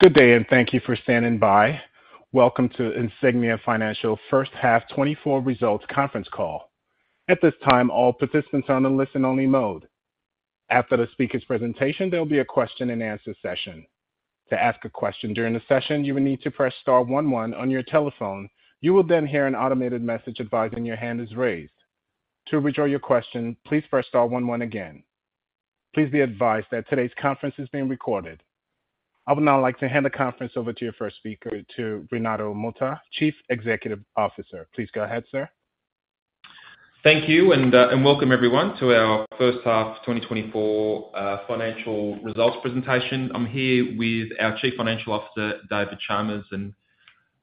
Good day and thank you for standing by. Welcome to Insignia Financial First Half 2024 Results Conference Call. At this time, all participants are in a listen-only mode. After the speaker's presentation, there will be a question-and-answer session. To ask a question during the session, you will need to press star one one on your telephone. You will then hear an automated message advising your hand is raised. To withdraw your question, please press star one one again. Please be advised that today's conference is being recorded. I would now like to hand the conference over to your first speaker, to Renato Mota, Chief Executive Officer. Please go ahead, sir. Thank you and welcome, everyone, to our First Half 2024 Financial Results presentation. I'm here with our Chief Financial Officer, David Chalmers, and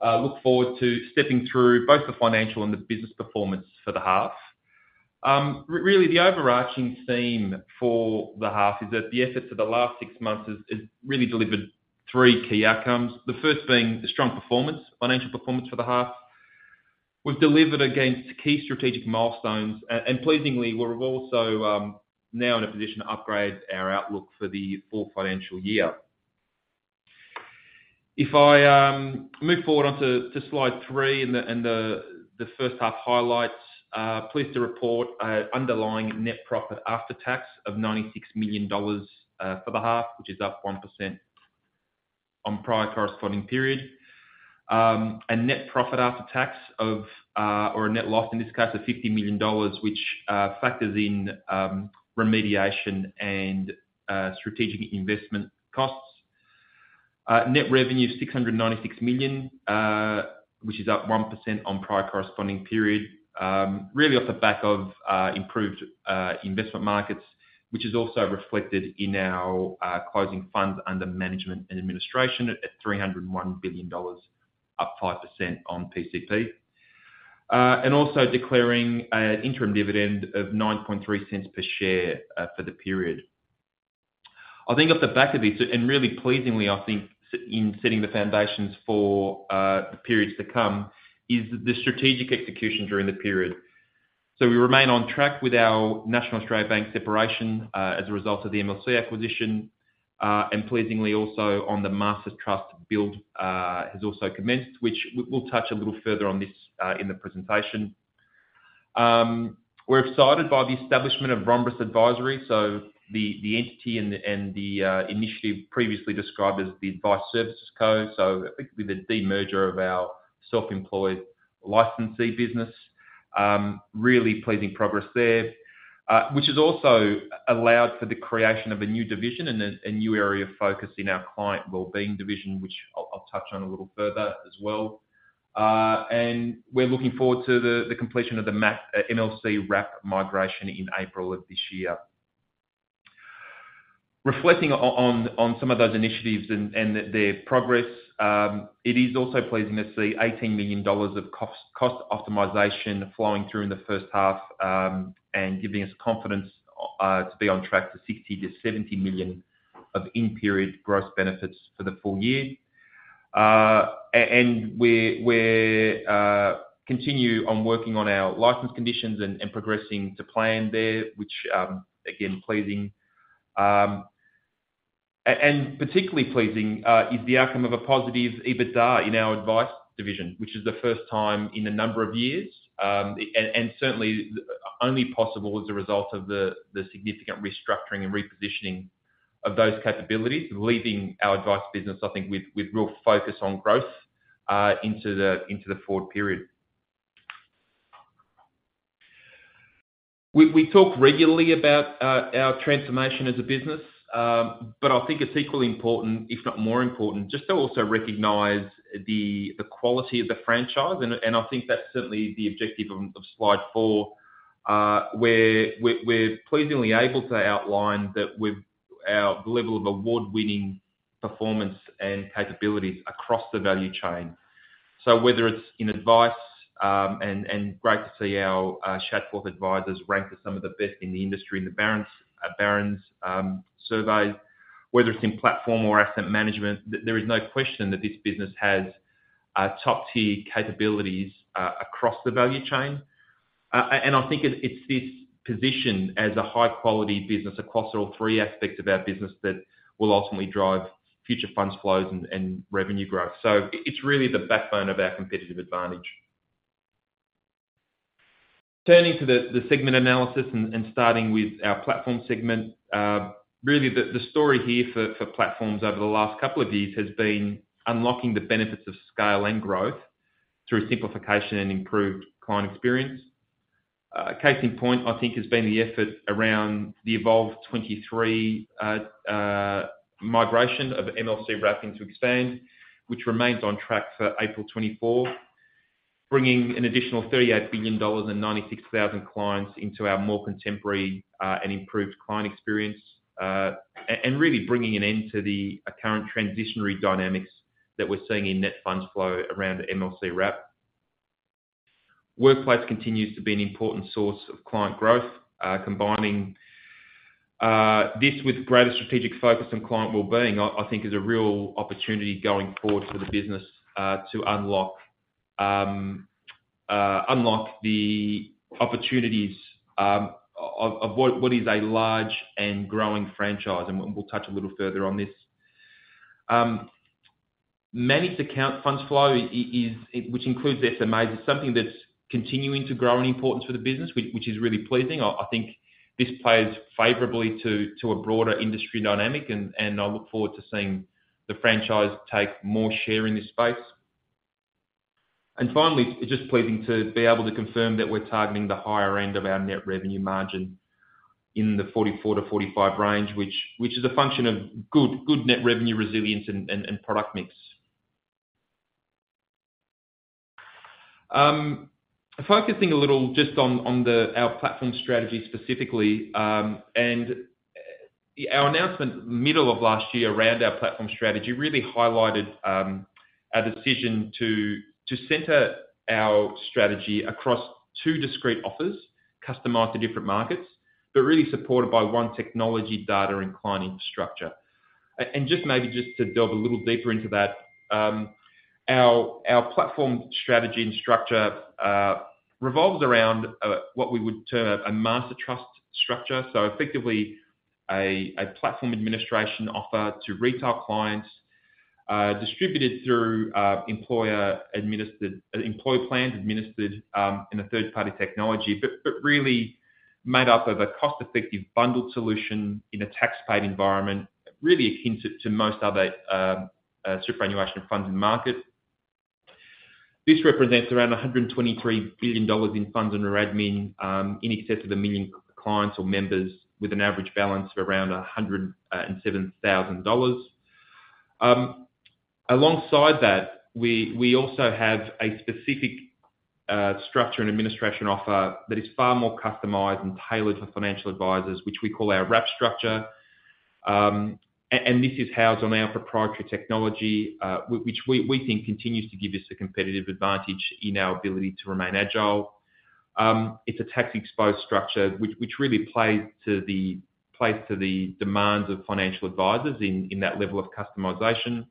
look forward to stepping through both the financial and the business performance for the half. Really, the overarching theme for the half is that the efforts of the last six months have really delivered three key outcomes. The first being strong performance, financial performance for the half. We've delivered against key strategic milestones, and pleasingly, we're also now in a position to upgrade our outlook for the full financial year. If I move forward onto slide three and the first half highlights, pleased to report an underlying net profit after tax of 96 million dollars for the half, which is up 1% on prior corresponding period. A net profit after tax of or a net loss in this case of 50 million dollars, which factors in remediation and strategic investment costs. Net revenue of 696 million, which is up 1% on prior corresponding period. Really off the back of improved investment markets, which is also reflected in our closing funds under management and administration at 301 billion dollars, up 5% on PCP. And also declaring an interim dividend of 0.093 per share for the period. I think off the back of this, and really pleasingly, I think in setting the foundations for the periods to come, is the strategic execution during the period. So we remain on track with our National Australia Bank separation as a result of the MLC acquisition. And pleasingly, also on the Master Trust build has also commenced, which we'll touch a little further on this in the presentation. We're excited by the establishment of Rhombus Advisory, so the entity and the initiative previously described as the Advice Services Co. So I think with the demerger of our self-employed licensee business. Really pleasing progress there. Which has also allowed for the creation of a new division and a new area of focus in our client well-being division, which I'll touch on a little further as well. And we're looking forward to the completion of the MLC Wrap migration in April of this year. Reflecting on some of those initiatives and their progress, it is also pleasing to see 18 million dollars of cost optimization flowing through in the first half and giving us confidence to be on track to 60 million-70 million of in-period gross benefits for the full year. And we're continuing on working on our license conditions and progressing to plan there, which, again, pleasing. Particularly pleasing is the outcome of a positive EBITDA in our advice division, which is the first time in a number of years. Certainly only possible as a result of the significant restructuring and repositioning of those capabilities, leaving our advice business, I think, with real focus on growth into the forward period. We talk regularly about our transformation as a business, but I think it's equally important, if not more important, just to also recognize the quality of the franchise. I think that's certainly the objective of slide four, where we're pleasingly able to outline the level of award-winning performance and capabilities across the value chain. So whether it's in advice, and great to see our Shadforth advisors ranked as some of the best in the industry in the Barron's survey, whether it's in platform or asset management, there is no question that this business has top-tier capabilities across the value chain. And I think it's this position as a high-quality business across all three aspects of our business that will ultimately drive future funds flows and revenue growth. So it's really the backbone of our competitive advantage. Turning to the segment analysis and starting with our platform segment. Really, the story here for platforms over the last couple of years has been unlocking the benefits of scale and growth through simplification and improved client experience. Case in point, I think, has been the effort around the Evolve 23 migration of MLC Wrap into Expand, which remains on track for April 2024. Bringing an additional 38 billion dollars and 96,000 clients into our more contemporary and improved client experience. Really bringing an end to the current transitionary dynamics that we're seeing in net funds flow around MLC Wrap. Workplace continues to be an important source of client growth. Combining this with greater strategic focus on client well-being, I think, is a real opportunity going forward for the business to unlock the opportunities of what is a large and growing franchise. We'll touch a little further on this. Managed account funds flow, which includes SMAs, is something that's continuing to grow in importance for the business, which is really pleasing. I think this plays favorably to a broader industry dynamic, and I look forward to seeing the franchise take more share in this space. And finally, it's just pleasing to be able to confirm that we're targeting the higher end of our net revenue margin in the 44-45 range, which is a function of good net revenue resilience and product mix. Focusing a little just on our platform strategy specifically, and our announcement middle of last year around our platform strategy really highlighted our decision to center our strategy across two discrete offers, customized to different markets, but really supported by one technology, data, and client infrastructure. And just maybe just to delve a little deeper into that, our platform strategy and structure revolves around what we would term a Master Trust structure. Effectively, a platform administration offer to retail clients distributed through employer-administered employer plans administered tax-paid environmentin a third-party technology, but really made up of a cost-effective bundled solution in a tax-paid environment really akin to most other superannuation funds in the market. This represents around 123 billion dollars in funds under admin in excess of 1 million clients or members with an average balance of around 107,000 dollars. Alongside that, we also have a specific structure and administration offer that is far more customized and tailored for financial advisors, which we call our wrap structure. This is housed on our proprietary technology, which we think continues to give us a competitive advantage in our ability to remain agile. It's a tax-exposed structure, which really plays to the demands of financial advisors in that level of customisation.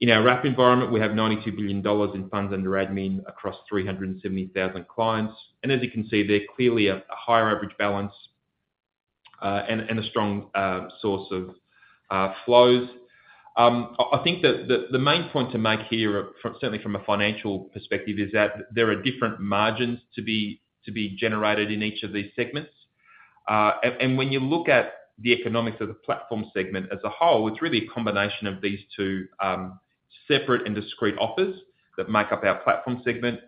In our wrap environment, we have 92 billion dollars in funds under admin across 370,000 clients. As you can see, they're clearly a higher average balance. A strong source of flows. I think that the main point to make here, certainly from a financial perspective, is that there are different margins to be generated in each of these segments. When you look at the economics of the platform segment as a whole, it's really a combination of these two separate and discrete offers that make up our platform segment.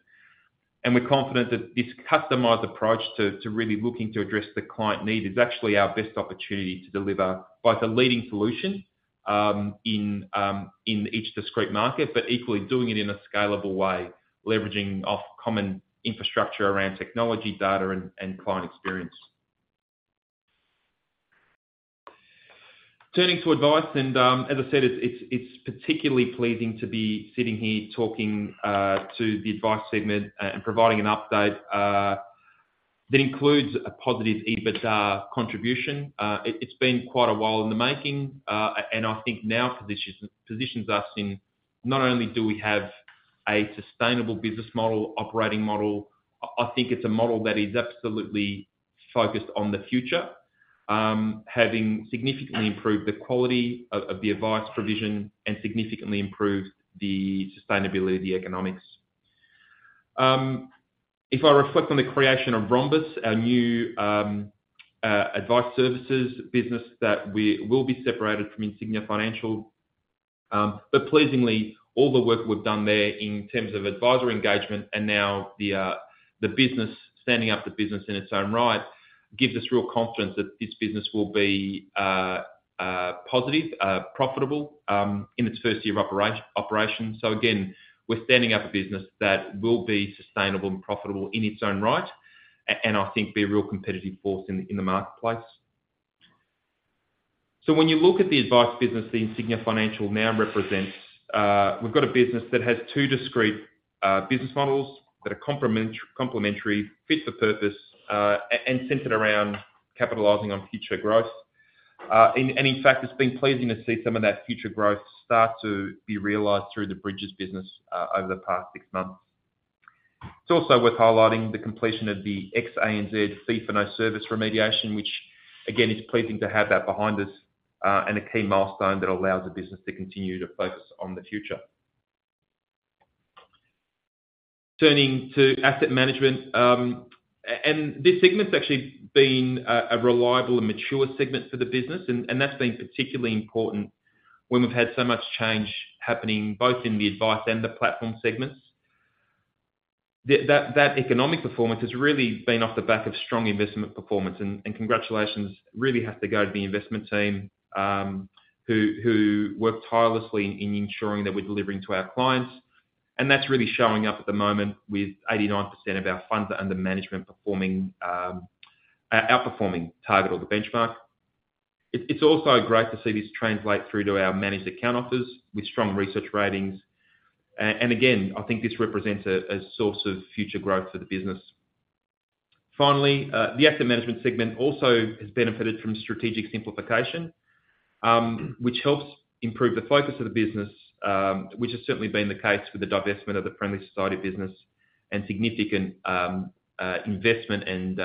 We're confident that this customized approach to really looking to address the client need is actually our best opportunity to deliver both a leading solution in each discrete market, but equally doing it in a scalable way, leveraging off common infrastructure around technology, data, and client experience. Turning to advice, and as I said, it's particularly pleasing to be sitting here talking to the advice segment and providing an update that includes a positive EBITDA contribution. It's been quite a while in the making, and I think now positions us in not only do we have a sustainable business model, operating model, I think it's a model that is absolutely focused on the future. Having significantly improved the quality of the advice provision and significantly improved the sustainability, the economics. If I reflect on the creation of Rhombus, our new advice services business that will be separated from Insignia Financial. But pleasingly, all the work we've done there in terms of advisor engagement and now the business standing up the business in its own right gives us real confidence that this business will be positive, profitable in its first year of operation. So again, we're standing up a business that will be sustainable and profitable in its own right. And I think be a real competitive force in the marketplace. So when you look at the advice business, the Insignia Financial now represents we've got a business that has two discrete business models that are complementary, fit for purpose, and centered around capitalizing on future growth. And in fact, it's been pleasing to see some of that future growth start to be realized through the Bridges business over the past six months. It's also worth highlighting the completion of the FFNS fee for no service remediation, which again is pleasing to have that behind us. And a key milestone that allows a business to continue to focus on the future. Turning to asset management. This segment's actually been a reliable and mature segment for the business, and that's been particularly important when we've had so much change happening both in the advice and the platform segments. That economic performance has really been off the back of strong investment performance, and congratulations really have to go to the investment team who worked tirelessly in ensuring that we're delivering to our clients. That's really showing up at the moment with 89% of our funds under management performing, outperforming target or the benchmark. It's also great to see this translate through to our managed account offers with strong research ratings. Again, I think this represents a source of future growth for the business. Finally, the asset management segment also has benefited from strategic simplification, which helps improve the focus of the business, which has certainly been the case with the divestment of the Friendly Society business and significant investment and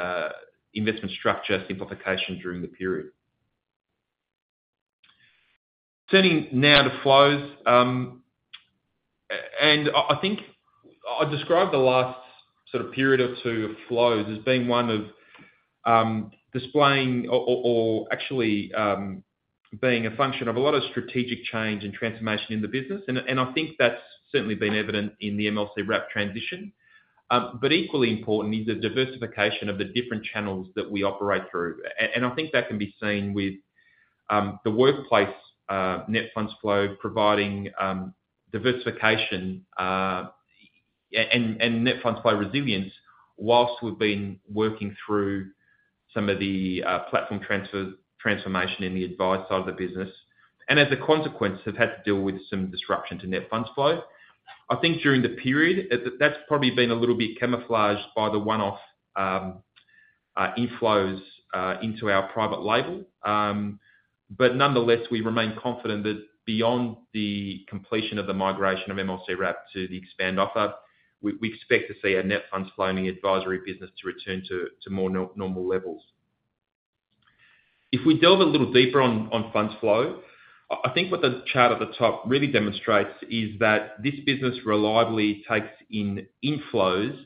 investment structure simplification during the period. Turning now to flows. And I think I described the last sort of period or two of flows as being one of displaying or actually being a function of a lot of strategic change and transformation in the business. And I think that's certainly been evident in the MLC Wrap transition. But equally important is the diversification of the different channels that we operate through. And I think that can be seen with the workplace net funds flow providing diversification and net funds flow resilience while we've been working through some of the platform transfer transformation in the advice side of the business. And as a consequence, have had to deal with some disruption to net funds flow. I think during the period, that's probably been a little bit camouflaged by the one-off inflows into our private label. But nonetheless, we remain confident that beyond the completion of the migration of MLC Wrap to the Expand offer, we expect to see our net funds flow in the advisory business to return to more normal levels. If we delve a little deeper on funds flow, I think what the chart at the top really demonstrates is that this business reliably takes in inflows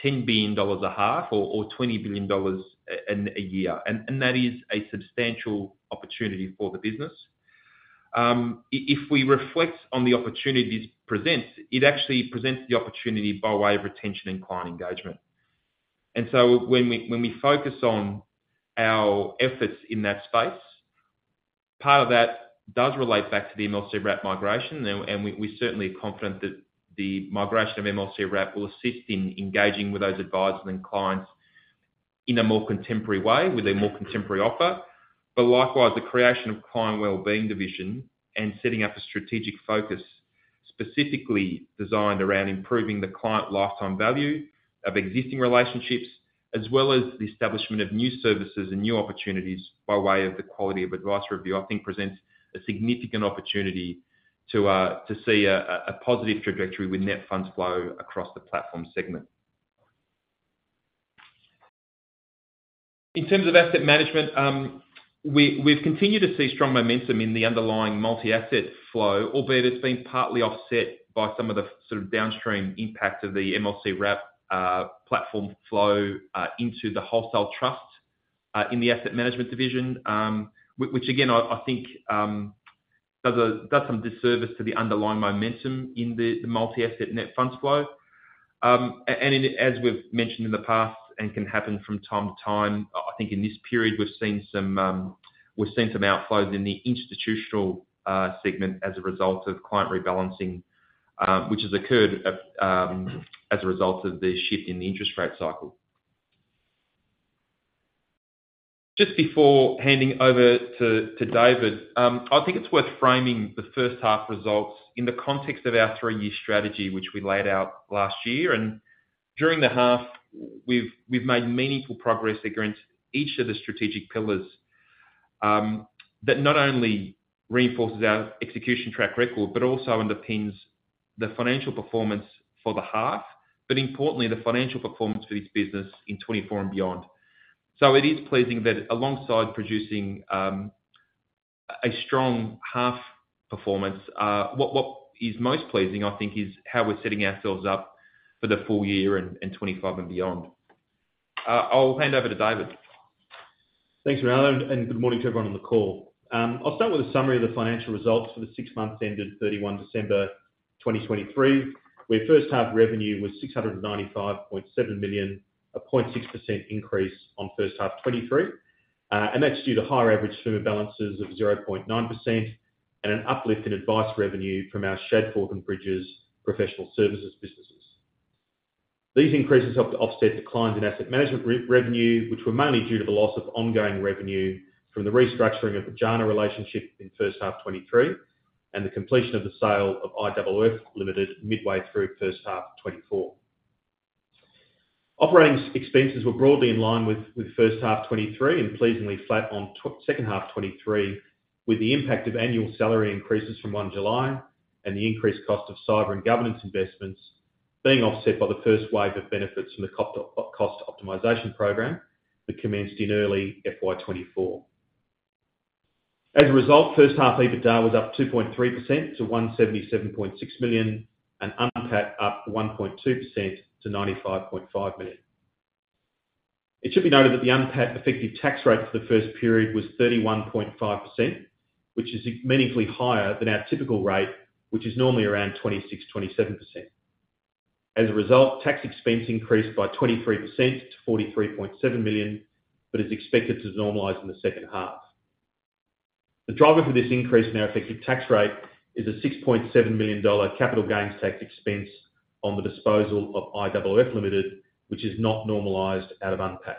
10 billion dollars a half or 20 billion dollars a year, and that is a substantial opportunity for the business. If we reflect on the opportunity this presents, it actually presents the opportunity by way of retention and client engagement. And so when we focus on our efforts in that space, part of that does relate back to the MLC Wrap migration, and we're certainly confident that the migration of MLC Wrap will assist in engaging with those advisors and clients in a more contemporary way with a more contemporary offer. But likewise, the creation of client well-being division and setting up a strategic focus specifically designed around improving the client lifetime value of existing relationships, as well as the establishment of new services and new opportunities by way of the Quality of Advice review, I think presents a significant opportunity to see a positive trajectory with net funds flow across the platform segment. In terms of asset management, we've continued to see strong momentum in the underlying multi-asset flow, albeit it's been partly offset by some of the sort of downstream impact of the MLC Wrap platform flow into the wholesale trust in the asset management division, which again, I think does some disservice to the underlying momentum in the multi-asset net funds flow. And as we've mentioned in the past and can happen from time to time, I think in this period, we've seen some outflows in the institutional segment as a result of client rebalancing, which has occurred as a result of the shift in the interest rate cycle. Just before handing over to David, I think it's worth framing the first half results in the context of our three-year strategy, which we laid out last year. During the half, we've made meaningful progress against each of the strategic pillars that not only reinforces our execution track record, but also underpins the financial performance for the half, but importantly, the financial performance for this business in 2024 and beyond. It is pleasing that alongside producing a strong half performance, what is most pleasing, I think, is how we're setting ourselves up for the full year and 2025 and beyond. I'll hand over to David. Thanks, Renato, and good morning to everyone on the call. I'll start with a summary of the financial results for the six months ended 31 December 2023, where first half revenue was 695.7 million, a 0.6% increase on first half 2023. That's due to higher average FUMA balances of 0.9% and an uplift in advice revenue from our Shadforth and Bridges professional services businesses. These increases helped to offset declines in asset management revenue, which were mainly due to the loss of ongoing revenue from the restructuring of the JANA relationship in first half 2023 and the completion of the sale of IEEE Limited midway through first half 2024. Operating expenses were broadly in line with first half 2023 and pleasingly flat on second half 2023 with the impact of annual salary increases from 1 July and the increased cost of cyber and governance investments being offset by the first wave of benefits from the cost optimization program that commenced in early FY 2024. As a result, first half EBITDA was up 2.3% to 177.6 million and UNPAT up 1.2% to 95.5 million. It should be noted that the UNPAT effective tax rate for the first period was 31.5%, which is meaningfully higher than our typical rate, which is normally around 26%, 27%. As a result, tax expense increased by 23% to 43.7 million, but is expected to normalise in the second half. The driver for this increase in our effective tax rate is a 6.7 million dollar capital gains tax expense on the disposal of IEEE Limited, which is not normalised out of UNPAT.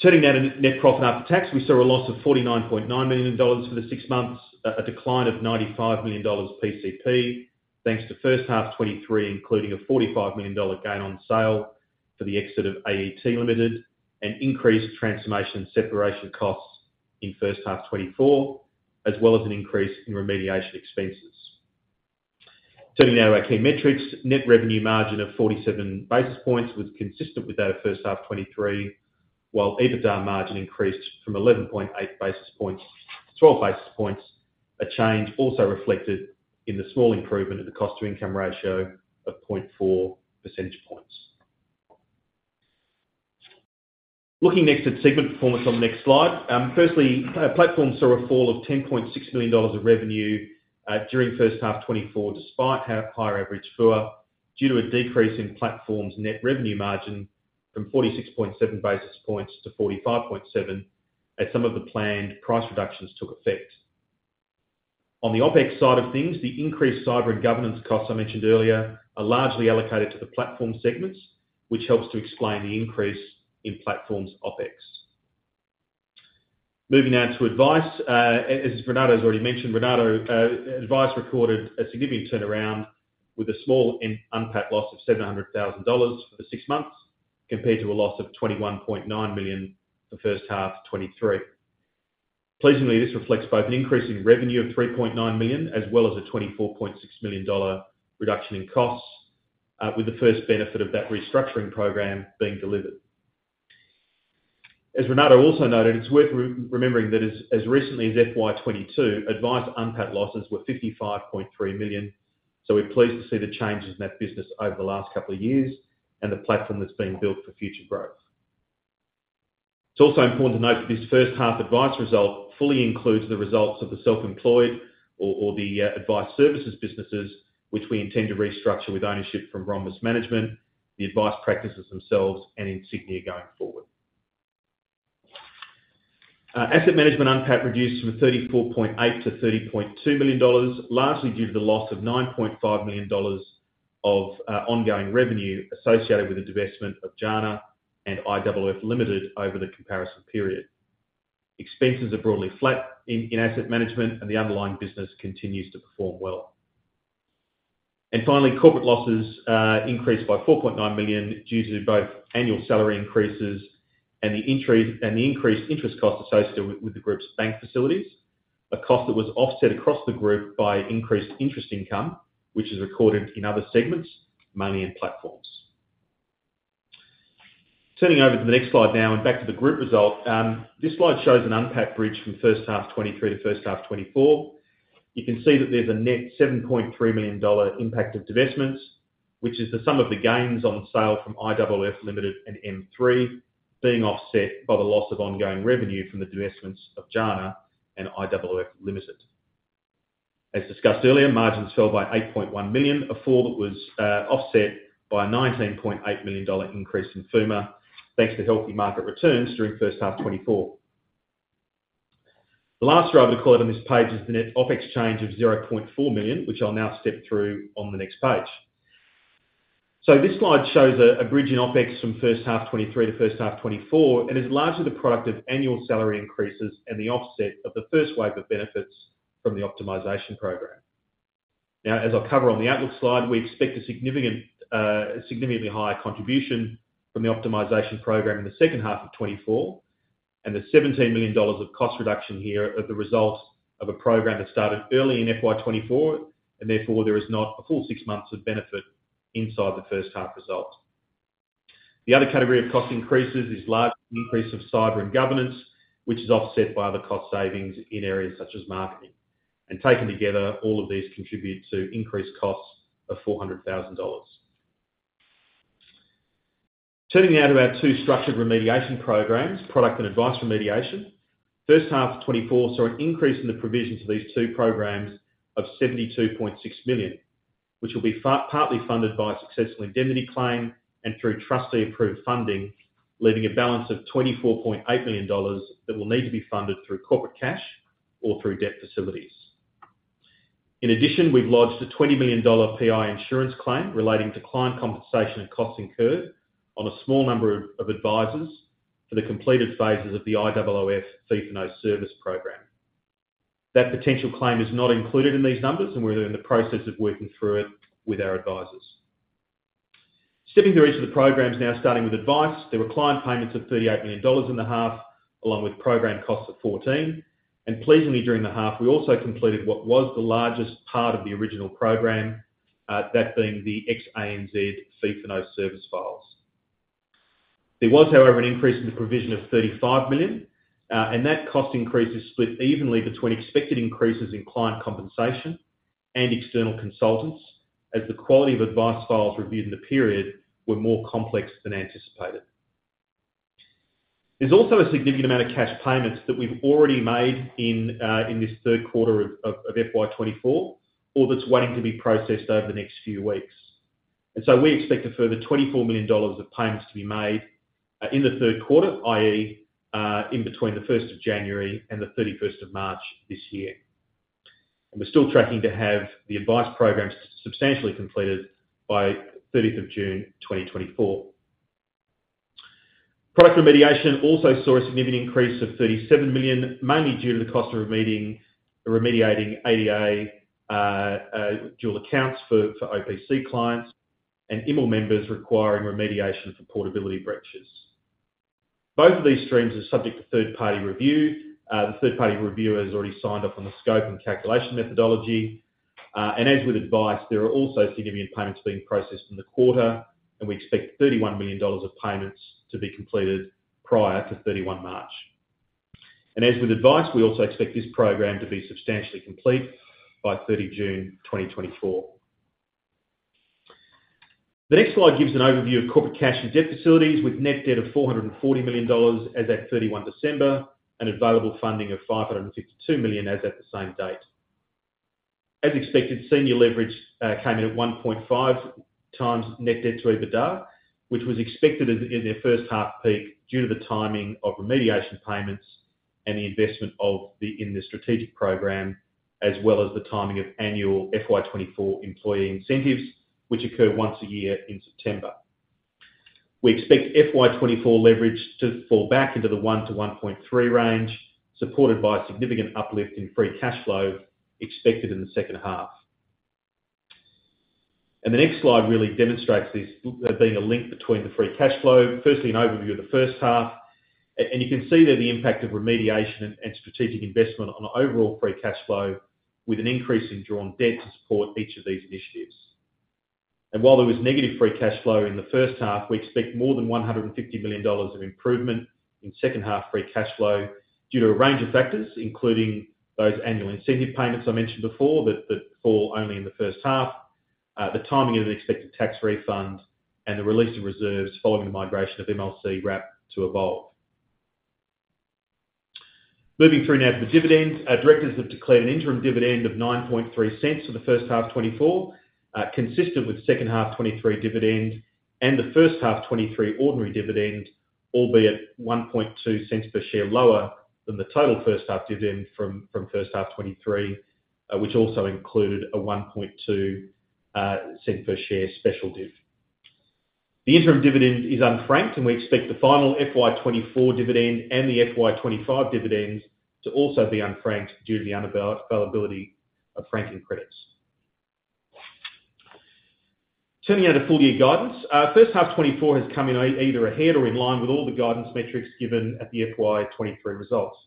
Turning now to net profit after tax, we saw a loss of 49.9 million dollars for the six months, a decline of 95 million dollars PCP, thanks to first half 2023 including a 45 million dollar gain on sale for the exit of AET Limited and increased transformation separation costs in first half 2024, as well as an increase in remediation expenses. Turning now to our key metrics, net revenue margin of 47 basis points was consistent with that of first half 2023, while EBITDA margin increased from 11.8 basis points to 12 basis points, a change also reflected in the small improvement of the cost to income ratio of 0.4 percentage points. Looking next at segment performance on the next slide, firstly, platforms saw a fall of 10.6 million dollars of revenue during first half 2024 despite higher average FUA due to a decrease in platforms net revenue margin from 46.7 basis points to 45.7 as some of the planned price reductions took effect. On the OpEx side of things, the increased cyber and governance costs I mentioned earlier are largely allocated to the platform segments, which helps to explain the increase in platforms OpEx. Moving now to advice, as Renato has already mentioned, our advice recorded a significant turnaround with a small UNPAT loss of 700,000 dollars for the six months compared to a loss of 21.9 million for first half 2023. Pleasingly, this reflects both an increase in revenue of 3.9 million as well as a 24.6 million dollar reduction in costs, with the first benefit of that restructuring program being delivered. As Renato also noted, it's worth remembering that as recently as FY 2022, advice UNPAT losses were 55.3 million. So we're pleased to see the changes in that business over the last couple of years and the platform that's being built for future growth. It's also important to note that this first half advice result fully includes the results of the self-employed or the advice services businesses, which we intend to restructure with ownership from Rhombus management, the advice practices themselves, and Insignia going forward. Asset management UNPAT reduced from 34.8 million to 30.2 million dollars, largely due to the loss of 9.5 million dollars of ongoing revenue associated with the divestment of JANA and IEEE Limited over the comparison period. Expenses are broadly flat in asset management, and the underlying business continues to perform well. Finally, corporate losses increased by 4.9 million due to both annual salary increases and the increased interest costs associated with the group's bank facilities, a cost that was offset across the group by increased interest income, which is recorded in other segments, mainly in platforms. Turning over to the next slide now and back to the group result, this slide shows an UNPAT bridge from first half 2023 to first half 2024. You can see that there's a net 7.3 million dollar impact of divestments, which is the sum of the gains on sale from IEEE Limited and M3 being offset by the loss of ongoing revenue from the divestments of JANA and IEEE Limited. As discussed earlier, margins fell by 8.1 million, a fall that was offset by a 19.8 million dollar increase in FUMA, thanks to healthy market returns during first half 2024. The last driver to call it on this page is the net OPEX change of 0.4 million, which I'll now step through on the next page. So this slide shows a bridge in OpEx from first half 2023 to first half 2024, and it's largely the product of annual salary increases and the offset of the first wave of benefits from the optimization program. Now, as I'll cover on the outlook slide, we expect a significantly higher contribution from the optimization program in the second half of 2024. And the 17 million dollars of cost reduction here are the result of a program that started early in FY 2024, and therefore there is not a full six months of benefit inside the first half result. The other category of cost increases is a large increase of cyber and governance, which is offset by other cost savings in areas such as marketing. And taken together, all of these contribute to increased costs of 400,000 dollars. Turning now to our two structured remediation programs, product and advice remediation, first half 2024 saw an increase in the provisions of these two programs of 72.6 million, which will be partly funded by a successful indemnity claim and through trustee-approved funding, leaving a balance of 24.8 million dollars that will need to be funded through corporate cash or through debt facilities. In addition, we've lodged a 20 million dollar PI insurance claim relating to client compensation and costs incurred on a small number of advisors for the completed phases of the IOOF FFNS no service program. That potential claim is not included in these numbers, and we're in the process of working through it with our advisors. Stepping through each of the programs now, starting with advice, there were client payments of 38 million dollars in the half, along with program costs of 14. And pleasingly, during the half, we also completed what was the largest part of the original program, that being the ANZ FFNS no service files. There was, however, an increase in the provision of 35 million, and that cost increase is split evenly between expected increases in client compensation and external consultants, as the quality of advice files reviewed in the period were more complex than anticipated. There's also a significant amount of cash payments that we've already made in this third quarter of FY 2024, or that's waiting to be processed over the next few weeks. And so we expect a further 24 million dollars of payments to be made in the third quarter, i.e., in between the 1st of January and the 31st of March this year. And we're still tracking to have the advice programs substantially completed by 30th June 2024. Product remediation also saw a significant increase of 37 million, mainly due to the cost of remediating ADA dual accounts for OPC clients and IML members requiring remediation for portability breaches. Both of these streams are subject to third-party review. The third-party reviewer has already signed off on the scope and calculation methodology. And as with advice, there are also significant payments being processed in the quarter, and we expect 31 million dollars of payments to be completed prior to 31 March. And as with advice, we also expect this program to be substantially complete by 30 June 2024. The next slide gives an overview of corporate cash and debt facilities with net debt of 440 million dollars as at 31 December and available funding of 552 million as at the same date. As expected, senior leverage came in at 1.5x net debt to EBITDA, which was expected in their first half peak due to the timing of remediation payments and the investment in the strategic program, as well as the timing of annual FY 2024 employee incentives, which occur once a year in September. We expect FY 2024 leverage to fall back into the 1-1.3 range, supported by a significant uplift in free cash flow expected in the second half. The next slide really demonstrates this being a link between the free cash flow, firstly an overview of the first half. You can see there the impact of remediation and strategic investment on overall free cash flow with an increase in drawn debt to support each of these initiatives. And while there was negative free cash flow in the first half, we expect more than 150 million dollars of improvement in second half free cash flow due to a range of factors, including those annual incentive payments I mentioned before that fall only in the first half, the timing of the expected tax refund, and the release of reserves following the migration of MLC Wrap to Evolve. Moving through now to the dividends, directors have declared an interim dividend of 0.093 for the first half 2024, consistent with second half 2023 dividend and the first half 2023 ordinary dividend, albeit 0.012 per share lower than the total first half dividend from first half 2023, which also included a 0.012 cent per share special div. The interim dividend is unfranked, and we expect the final FY 2024 dividend and the FY 2025 dividends to also be unfranked due to the unavailability of franking credits. Turning now to full year guidance, first half 2024 has come in either ahead or in line with all the guidance metrics given at the FY 2023 results.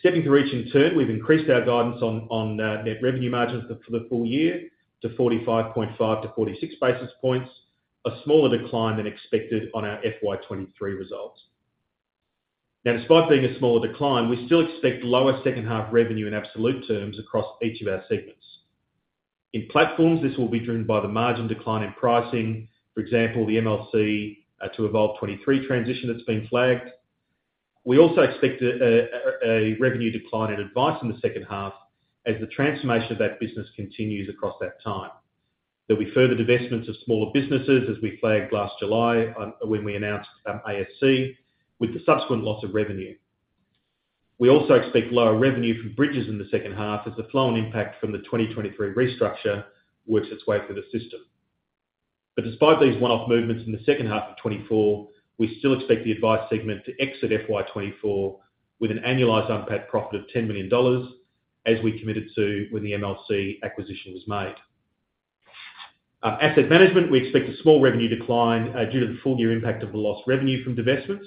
Stepping through each in turn, we've increased our guidance on net revenue margins for the full year to 45.5-46 basis points, a smaller decline than expected on our FY 2023 results. Now, despite being a smaller decline, we still expect lower second half revenue in absolute terms across each of our segments. In platforms, this will be driven by the margin decline in pricing, for example, the MLC to Evolve 23 transition that's been flagged. We also expect a revenue decline in advice in the second half as the transformation of that business continues across that time. There'll be further divestments of smaller businesses as we flagged last July when we announced ASC with the subsequent loss of revenue. We also expect lower revenue from Bridges in the second half as the flow and impact from the 2023 restructure works its way through the system. But despite these one-off movements in the second half of 2024, we still expect the advice segment to exit FY 2024 with an annualized UNPAT profit of 10 million dollars, as we committed to when the MLC acquisition was made. Asset management, we expect a small revenue decline due to the full year impact of the lost revenue from divestments,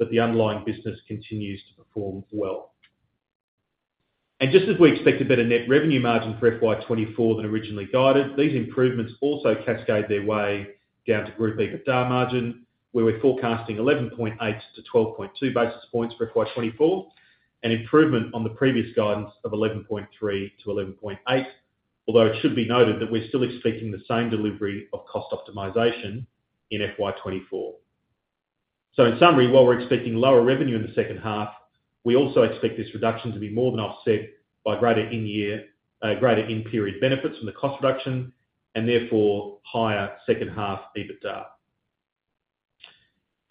but the underlying business continues to perform well. Just as we expect a better net revenue margin for FY 2024 than originally guided, these improvements also cascade their way down to group EBITDA margin, where we're forecasting 11.8-12.2 basis points for FY 2024, an improvement on the previous guidance of 11.3-11.8, although it should be noted that we're still expecting the same delivery of cost optimization in FY 2024. So in summary, while we're expecting lower revenue in the second half, we also expect this reduction to be more than offset by greater in-period benefits from the cost reduction and therefore higher second half EBITDA.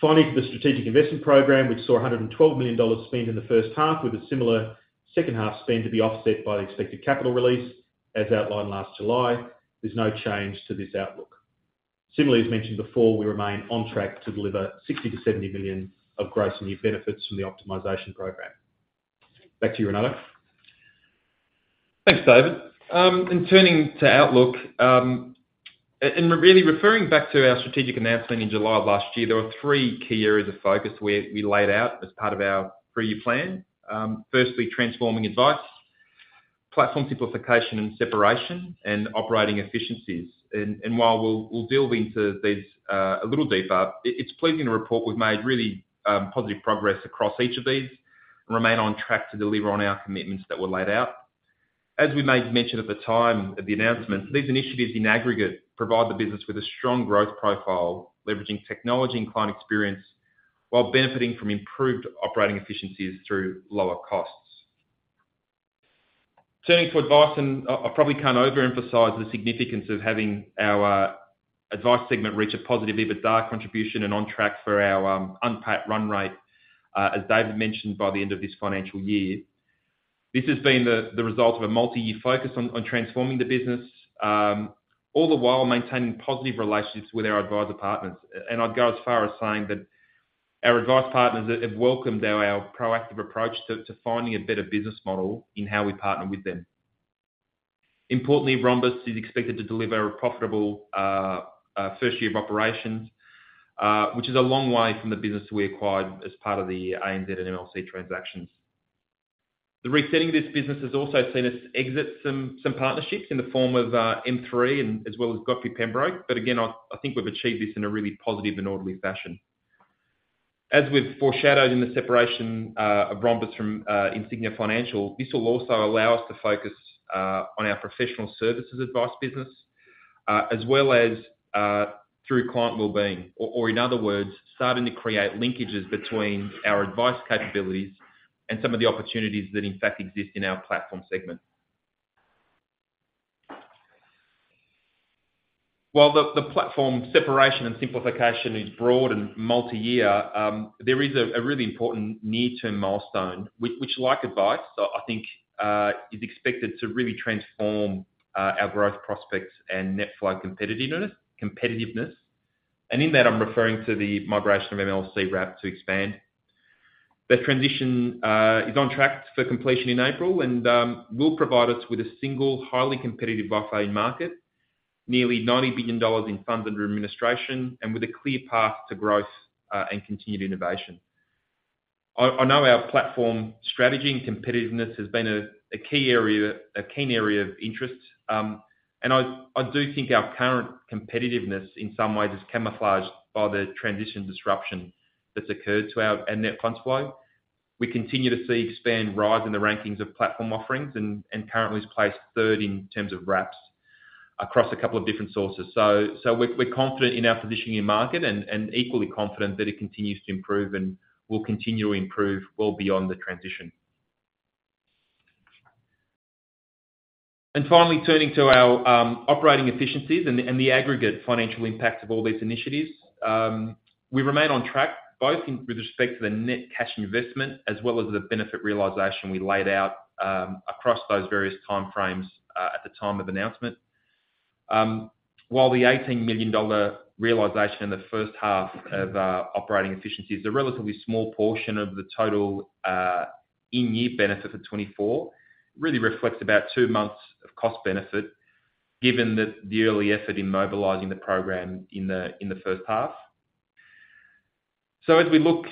Finally, for the strategic investment program, we saw 112 million dollars spent in the first half with a similar second half spend to be offset by the expected capital release as outlined last July. There's no change to this outlook. Similarly, as mentioned before, we remain on track to deliver 60-70 million of gross new benefits from the optimization program. Back to you, Renato. Thanks, David. Turning to outlook, and really referring back to our strategic announcement in July of last year, there were three key areas of focus we laid out as part of our three-year plan. Firstly, transforming advice, platform simplification and separation, and operating efficiencies. While we'll delve into these a little deeper, it's pleasing to report we've made really positive progress across each of these and remain on track to deliver on our commitments that were laid out. As we made mention at the time of the announcement, these initiatives in aggregate provide the business with a strong growth profile, leveraging technology and client experience while benefiting from improved operating efficiencies through lower costs. Turning to advice, and I probably can't overemphasize the significance of having our advice segment reach a positive EBITDA contribution and on track for our UNPAT run rate, as David mentioned, by the end of this financial year. This has been the result of a multi-year focus on transforming the business, all the while maintaining positive relationships with our advisor partners. And I'd go as far as saying that our advice partners have welcomed our proactive approach to finding a better business model in how we partner with them. Importantly, Rhombus is expected to deliver a profitable first year of operations, which is a long way from the business we acquired as part of the ANZ and MLC transactions. The resetting of this business has also seen us exit some partnerships in the form of M3 as well as Godfrey Pembroke. But again, I think we've achieved this in a really positive and orderly fashion. As we've foreshadowed in the separation of Rhombus from Insignia Financial, this will also allow us to focus on our professional services advice business, as well as through client wellbeing, or in other words, starting to create linkages between our advice capabilities and some of the opportunities that in fact exist in our platform segment. While the platform separation and simplification is broad and multi-year, there is a really important near-term milestone, which like advice, I think, is expected to really transform our growth prospects and net flow competitiveness. And in that, I'm referring to the migration of MLC Wrap to Expand. The transition is on track for completion in April and will provide us with a single highly competitive wrap in market, nearly 90 billion dollars in funds under administration, and with a clear path to growth and continued innovation. I know our platform strategy and competitiveness has been a key area of keen interest. I do think our current competitiveness in some ways is camouflaged by the transition disruption that's occurred to our net fund flow. We continue to see Expand rise in the rankings of platform offerings and currently is placed third in terms of wraps across a couple of different sources. We're confident in our positioning in market and equally confident that it continues to improve and will continue to improve well beyond the transition. Finally, turning to our operating efficiencies and the aggregate financial impacts of all these initiatives, we remain on track both with respect to the net cash investment as well as the benefit realization we laid out across those various timeframes at the time of announcement. While the 18 million dollar realization in the first half of operating efficiencies is a relatively small portion of the total in-year benefit for 2024, it really reflects about two months of cost benefit given the early effort in mobilizing the program in the first half. As we look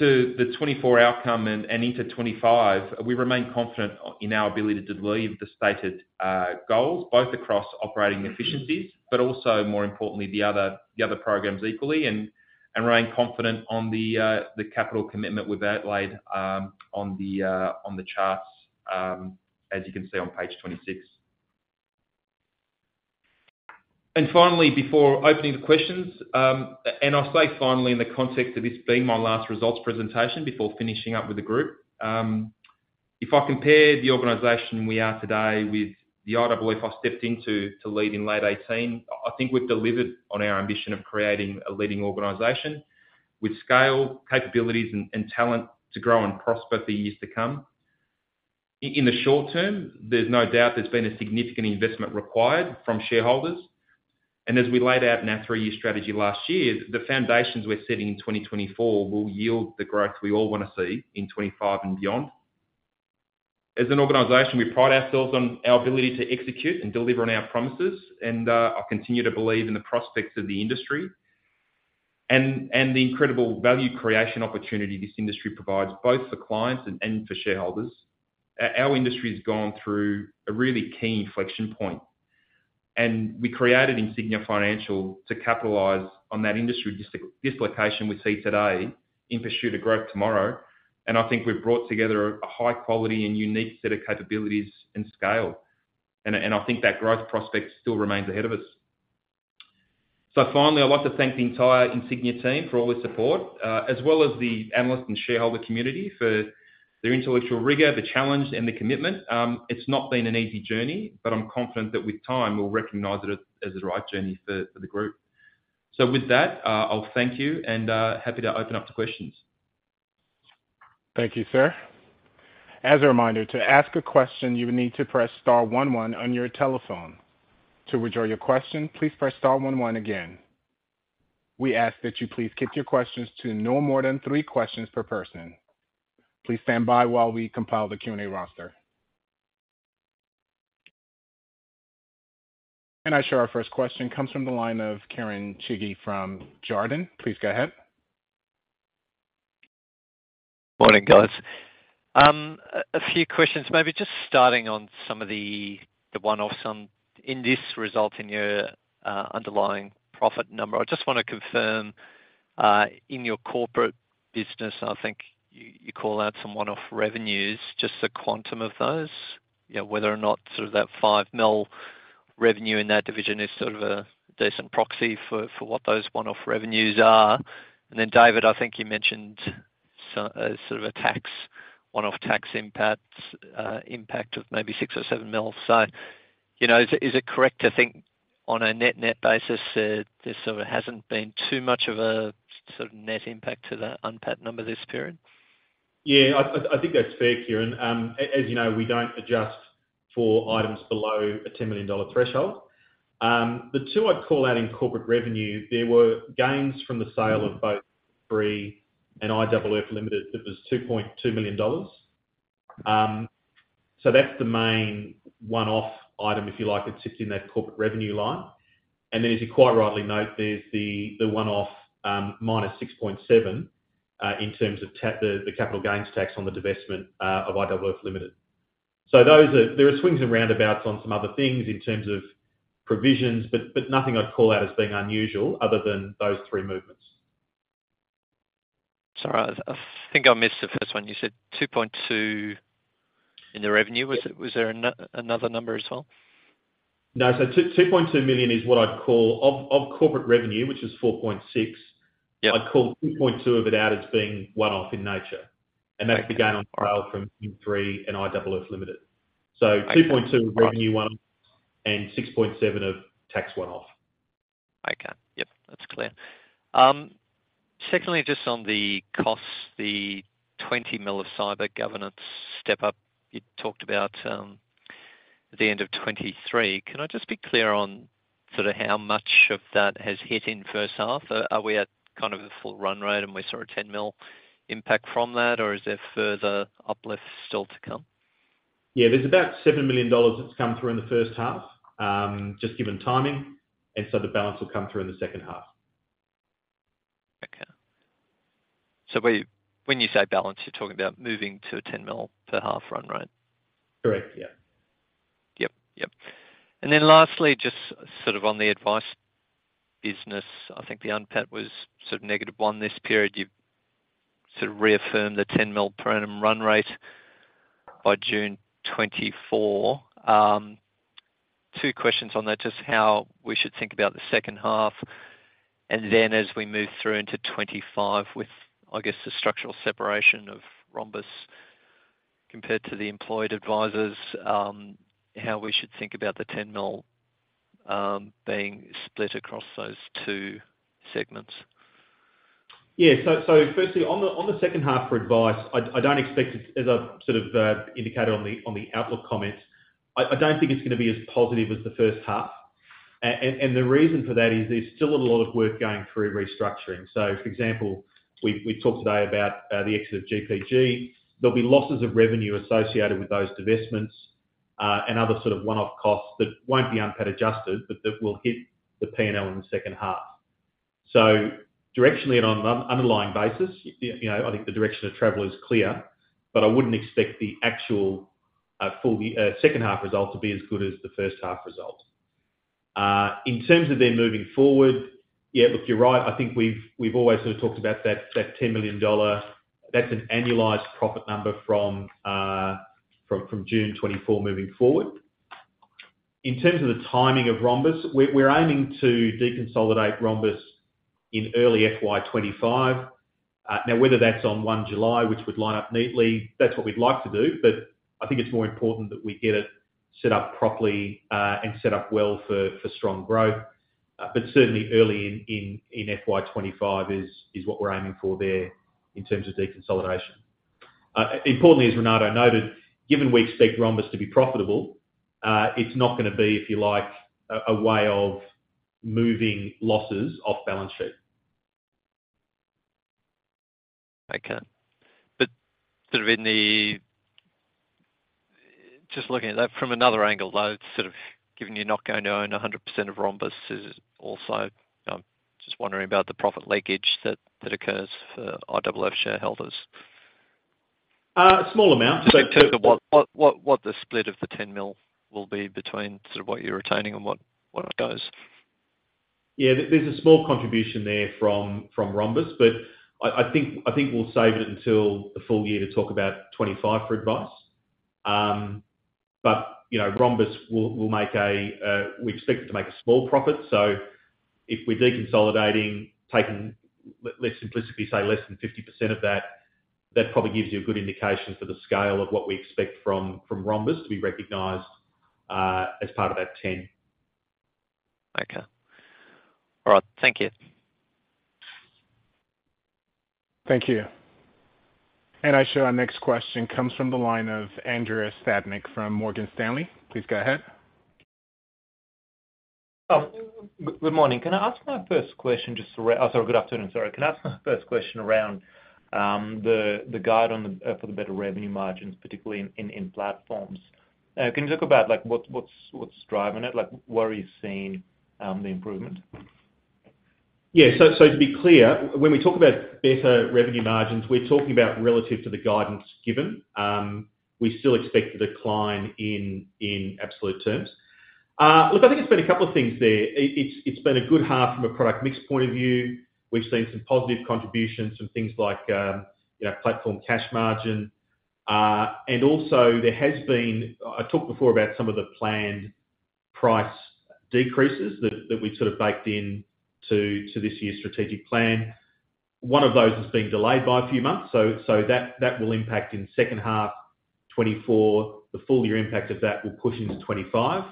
to the 2024 outcome and into 2025, we remain confident in our ability to deliver the stated goals both across operating efficiencies, but also more importantly, the other programs equally and remain confident on the capital commitment we've outlaid on the charts, as you can see on page 26. Finally, before opening to questions, and I say finally in the context of this being my last results presentation before finishing up with the group, if I compare the organization we are today with the IOOF I stepped into to lead in late 2018, I think we've delivered on our ambition of creating a leading organization with scale, capabilities, and talent to grow and prosper for years to come. In the short term, there's no doubt there's been a significant investment required from shareholders. As we laid out in our three-year strategy last year, the foundations we're setting in 2024 will yield the growth we all want to see in 2025 and beyond. As an organization, we pride ourselves on our ability to execute and deliver on our promises. I continue to believe in the prospects of the industry and the incredible value creation opportunity this industry provides both for clients and for shareholders. Our industry has gone through a really key inflection point. We created Insignia Financial to capitalize on that industry dislocation we see today in pursuit of growth tomorrow. I think we've brought together a high-quality and unique set of capabilities and scale. I think that growth prospect still remains ahead of us. Finally, I'd like to thank the entire Insignia team for all their support, as well as the analyst and shareholder community for their intellectual rigor, the challenge, and the commitment. It's not been an easy journey, but I'm confident that with time, we'll recognize it as the right journey for the group. With that, I'll thank you and happy to open up to questions. Thank you, sir. As a reminder, to ask a question, you would need to press star one one on your telephone. To withdraw your question, please press star one one again. We ask that you please keep your questions to no more than three questions per person. Please stand by while we compile the Q&A roster. I'm sure our first question comes from the line of Kieren Chidgey from Jarden. Please go ahead. Morning, guys. A few questions, maybe just starting on some of the one-offs in this, resulting in your underlying profit number. I just want to confirm, in your corporate business, I think you call out some one-off revenues, just the quantum of those, whether or not sort of that 5 million revenue in that division is sort of a decent proxy for what those one-off revenues are. Then, David, I think you mentioned sort of a tax one-off tax impact of maybe 6 million or 7 million. So is it correct to think on a net-net basis, there sort of hasn't been too much of a sort of net impact to the UNPAT number this period? Yeah, I think that's fair, Kieran. As you know, we don't adjust for items below a 10 million dollar threshold. The two I'd call out in corporate revenue, there were gains from the sale of both AET and IEEE Limited that was 2.2 million dollars. So that's the main one-off item, if you like, except in that corporate revenue line. And then, as you quite rightly note, there's the one-off minus 6.7 million in terms of the capital gains tax on the divestment of IEEE Limited. So there are swings and roundabouts on some other things in terms of provisions, but nothing I'd call out as being unusual other than those three movements. Sorry, I think I missed the first one. You said 2.2 in the revenue. Was there another number as well? No, so 2.2 million is what I'd call of corporate revenue, which is 4.6. I'd call 2.2 of it out as being one-off in nature. And that's the gain on sale from AET and IEEE Limited. So 2.2 of revenue one-off and 6.7 of tax one-off. Okay. Yep, that's clear. Secondly, just on the costs, the 20 million of cyber governance step-up you talked about at the end of 2023. Can I just be clear on sort of how much of that has hit in first half? Are we at kind of the full run rate and we saw a 10 million impact from that, or is there further uplift still to come? Yeah, there's about 7 million dollars that's come through in the first half, just given timing. And so the balance will come through in the second half. Okay. So when you say balance, you're talking about moving to a 10 million per half run rate. Correct. Yeah. Yep. Yep. And then lastly, just sort of on the advice business, I think the UNPAT was sort of negative 1 this period. You've sort of reaffirmed the 10 million per annum run rate by June 2024. Two questions on that, just how we should think about the second half. Then, as we move through into 2025 with, I guess, the structural separation of Rhombus compared to the employed advisors, how we should think about the 10 million being split across those two segments. Yeah. So firstly, on the second half for advice, I don't expect it, as I sort of indicated on the outlook comments, I don't think it's going to be as positive as the first half. And the reason for that is there's still a lot of work going through restructuring. So for example, we talked today about the exit of GPG. There'll be losses of revenue associated with those divestments and other sort of one-off costs that won't be UNPAT adjusted, but that will hit the P&L in the second half. So directionally and on an underlying basis, I think the direction of travel is clear. But I wouldn't expect the actual second half result to be as good as the first half result. In terms of then moving forward, yeah, look, you're right. I think we've always sort of talked about that 10 million dollar. That's an annualized profit number from June 2024 moving forward. In terms of the timing of Rhombus, we're aiming to deconsolidate Rhombus in early FY 2025. Now, whether that's on 1 July, which would line up neatly, that's what we'd like to do. But I think it's more important that we get it set up properly and set up well for strong growth. But certainly, early in FY 2025 is what we're aiming for there in terms of deconsolidation. Importantly, as Renato noted, given we expect Rhombus to be profitable, it's not going to be, if you like, a way of moving losses off balance sheet. Okay. But sort of in the just looking at that from another angle, though, sort of given you're not going to own 100% of Rhombus, is also I'm just wondering about the profit leakage that occurs for IFL shareholders. A small amount, just to. What the split of the 10 million will be between sort of what you're retaining and what goes. Yeah, there's a small contribution there from Rhombus. But I think we'll save it until the full year to talk about 2025 for advice. But Rhombus will make a we expect it to make a small profit. So if we're deconsolidating, for simplicity say less than 50% of that, that probably gives you a good indication for the scale of what we expect from Rhombus to be recognised as part of that 10. Okay. All right. Thank you. Thank you. And I'm sure our next question comes from the line of Andrei Stadnik from Morgan Stanley. Please go ahead. Good morning. Can I ask my first question just around oh, sorry, good afternoon. Sorry. Can I ask my first question around the guide for the better revenue margins, particularly in platforms? Can you talk about what's driving it? Where are you seeing the improvement? Yeah. So to be clear, when we talk about better revenue margins, we're talking about relative to the guidance given. We still expect a decline in absolute terms. Look, I think it's been a couple of things there. It's been a good half from a product mix point of view. We've seen some positive contributions, some things like platform cash margin. And also, there has been I talked before about some of the planned price decreases that we sort of baked into this year's strategic plan. One of those has been delayed by a few months. So that will impact in second half 2024. The full year impact of that will push into 2025.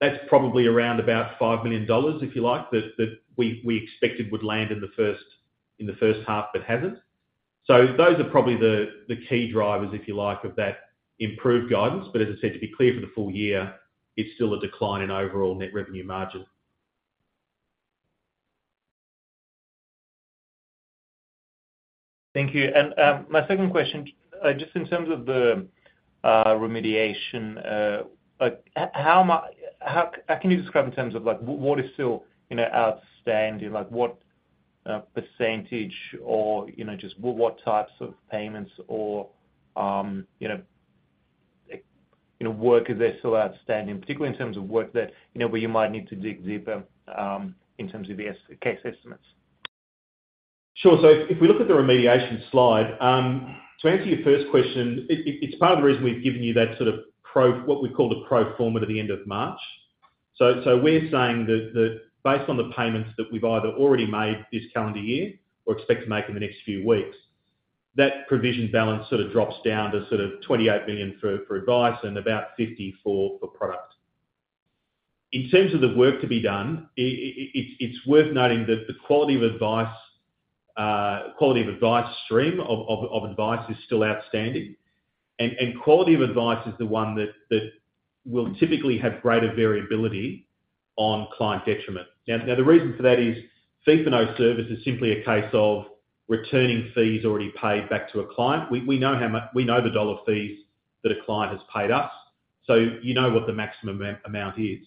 That's probably around about 5 million dollars, if you like, that we expected would land in the first half but hasn't. So those are probably the key drivers, if you like, of that improved guidance. But as I said, to be clear, for the full year, it's still a decline in overall net revenue margin. Thank you. And my second question, just in terms of the remediation, how can you describe in terms of what is still outstanding? What percentage or just what types of payments or work is there still outstanding, particularly in terms of work that where you might need to dig deeper in terms of your case estimates? Sure. So if we look at the remediation slide, to answer your first question, it's part of the reason we've given you that sort of what we call the pro forma at the end of March. So we're saying that based on the payments that we've either already made this calendar year or expect to make in the next few weeks, that provision balance sort of drops down to sort of 28 million for advice and about 50 million for product. In terms of the work to be done, it's worth noting that the Quality of Advice stream of advice is still outstanding. And Quality of Advice is the one that will typically have greater variability on client detriment. Now, the reason for that is Fee for No Service is simply a case of returning fees already paid back to a client. We know the dollar fees that a client has paid us. So you know what the maximum amount is.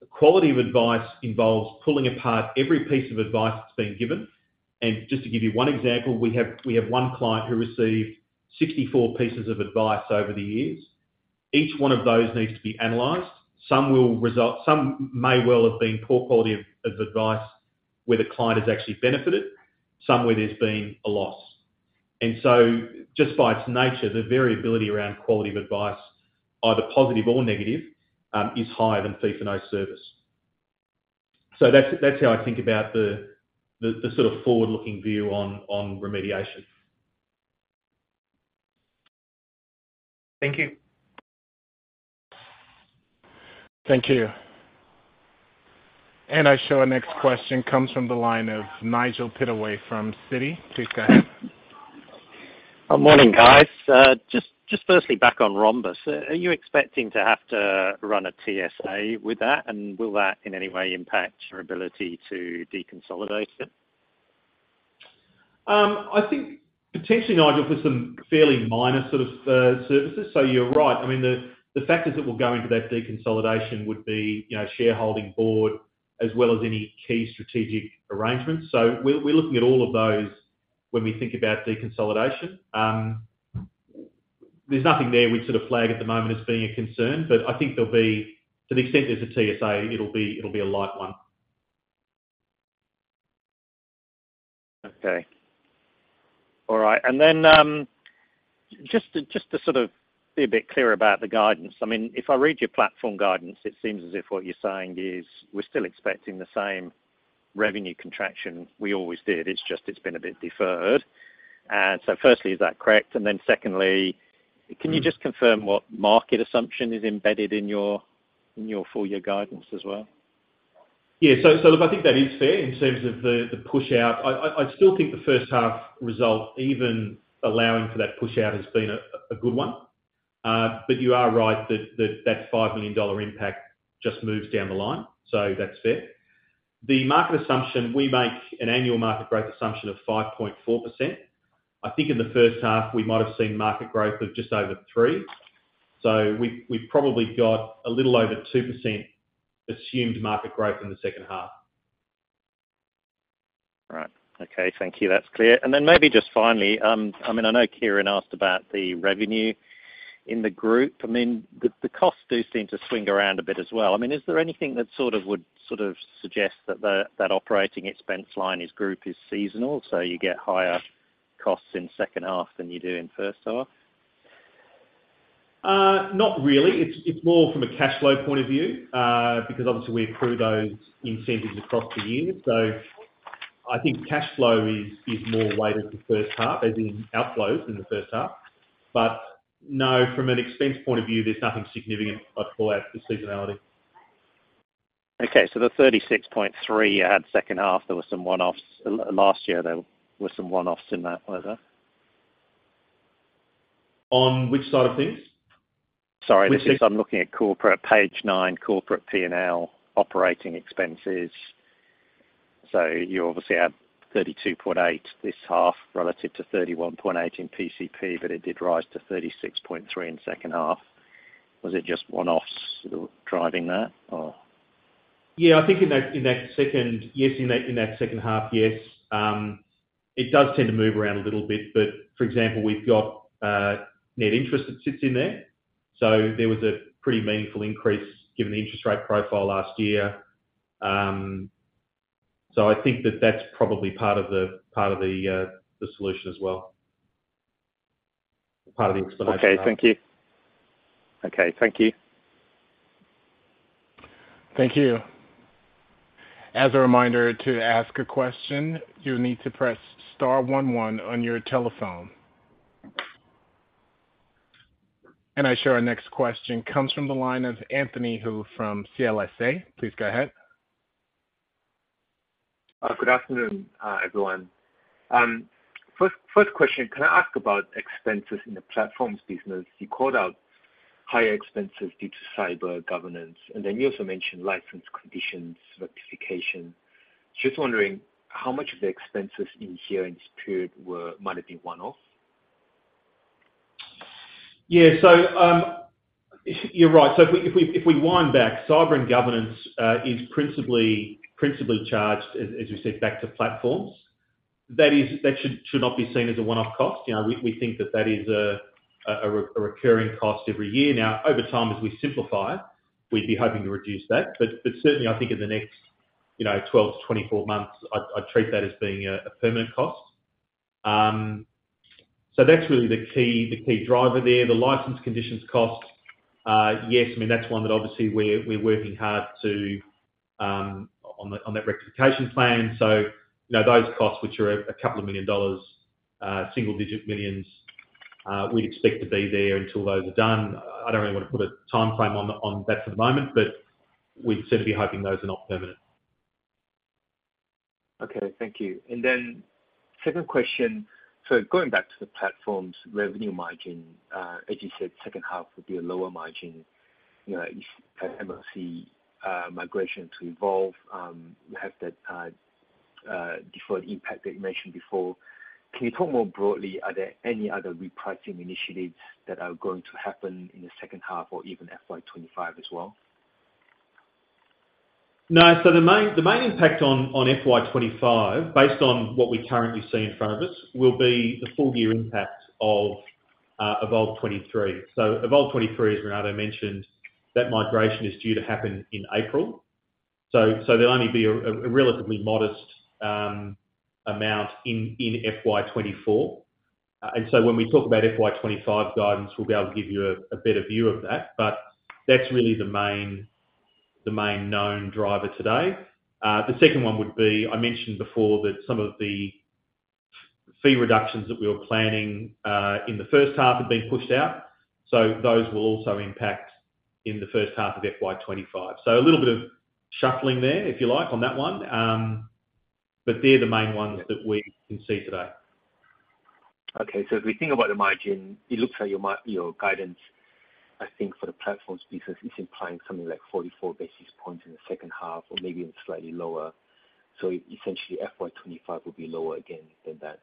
The quality of advice involves pulling apart every piece of advice that's been given. And just to give you one example, we have one client who received 64 pieces of advice over the years. Each one of those needs to be analyzed. Some may well have been poor quality of advice where the client has actually benefited. Some where there's been a loss. And so just by its nature, the variability around quality of advice, either positive or negative, is higher than fee for no service. So that's how I think about the sort of forward-looking view on remediation. Thank you. Thank you. And I'm sure our next question comes from the line of Nigel Pittaway from Citi. Please go ahead. Morning, guys. Just firstly, back on Rhombus. Are you expecting to have to run a TSA with that? And will that in any way impact your ability to deconsolidate it? I think potentially, Nigel, for some fairly minor sort of services. So you're right. I mean, the factors that will go into that deconsolidation would be shareholding board as well as any key strategic arrangements. So we're looking at all of those when we think about deconsolidation. There's nothing there we'd sort of flag at the moment as being a concern. But I think there'll be to the extent there's a TSA, it'll be a light one. Okay. All right. And then just to sort of be a bit clear about the guidance, I mean, if I read your platform guidance, it seems as if what you're saying is we're still expecting the same revenue contraction we always did. It's just it's been a bit deferred. And so firstly, is that correct? And then secondly, can you just confirm what market assumption is embedded in your full year guidance as well? Yeah. So look, I think that is fair in terms of the push-out. I still think the first half result, even allowing for that push-out, has been a good one. But you are right that that 5 million dollar impact just moves down the line. So that's fair. The market assumption, we make an annual market growth assumption of 5.4%. I think in the first half, we might have seen market growth of just over 3%. So we've probably got a little over 2% assumed market growth in the second half. Right. Okay. Thank you. That's clear. And then maybe just finally, I mean, I know Kieran asked about the revenue in the group. I mean, the costs do seem to swing around a bit as well. I mean, is there anything that sort of would sort of suggest that that operating expense line is group is seasonal? So you get higher costs in second half than you do in first half? Not really. It's more from a cash flow point of view because obviously, we accrue those incentives across the year. So I think cash flow is more weighted the first half as in outflows in the first half. But no, from an expense point of view, there's nothing significant I'd call out the seasonality. Okay. So the 36.3 you had second half, there were some one-offs last year. There were some one-offs in that, was there? On which side of things? Sorry, this is. I'm looking at corporate page 9 corporate P&L operating expenses. So you obviously had 32.8 this half relative to 31.8 in PCP, but it did rise to 36.3 in second half. Was it just one-offs driving that, or? Yeah. I think in that second yes, in that second half, yes. It does tend to move around a little bit. But for example, we've got net interest that sits in there. So there was a pretty meaningful increase given the interest rate profile last year. So I think that that's probably part of the solution as well, part of the explanation I've given. Okay. Thank you. Thank you. As a reminder to ask a question, you'll need to press star one one on your telephone. I'm sure our next question comes from the line of Anthony Hoo from CLSA. Please go ahead. Good afternoon, everyone. First question, can I ask about expenses in the platforms business? You called out higher expenses due to cyber governance. Then you also mentioned license conditions rectification. Just wondering how much of the expenses in here in this period might have been one-off? Yeah. So you're right. So if we wind back, cyber and governance is principally charged, as we said, back to platforms. That should not be seen as a one-off cost. We think that that is a recurring cost every year. Now, over time, as we simplify, we'd be hoping to reduce that. But certainly, I think in the next 12-24 months, I'd treat that as being a permanent cost. So that's really the key driver there. The license conditions cost, yes, I mean, that's one that obviously we're working hard on that rectification plan. So those costs, which are 2 million dollars, 1-9 million, we'd expect to be there until those are done. I don't really want to put a timeframe on that for the moment. But we'd certainly be hoping those are not permanent. Okay. Thank you. And then second question, so going back to the platform's revenue margin, as you said, second half would be a lower margin. You have MLC migration to Evolve. You have that deferred impact that you mentioned before. Can you talk more broadly, are there any other repricing initiatives that are going to happen in the second half or even FY 2025 as well? No. So the main impact on FY 2025, based on what we currently see in front of us, will be the full year impact of Evolve 2023. So Evolve 2023, as Renato mentioned, that migration is due to happen in April. So there'll only be a relatively modest amount in FY 2024. And so when we talk about FY 2025 guidance, we'll be able to give you a better view of that. But that's really the main known driver today. The second one would be I mentioned before that some of the fee reductions that we were planning in the first half had been pushed out. So those will also impact in the first half of FY 2025. So a little bit of shuffling there, if you like, on that one. But they're the main ones that we can see today. Okay. So if we think about the margin, it looks like your guidance, I think, for the platforms business is implying something like 44 basis points in the second half or maybe even slightly lower. So essentially, FY 2025 will be lower again than that.